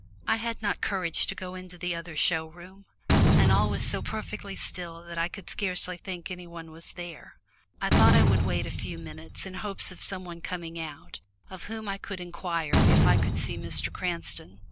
I had not courage to go into the other show room, and all was so perfectly still that I could scarcely think any one was there. I thought I would wait a few minutes in hopes of some one coming out, of whom I could inquire if I could see Mr. Cranston.